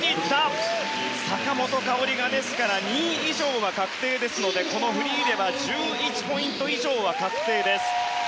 ですから、坂本花織２位以上は確定ですのでこのフリーでは１１ポイント以上確定です。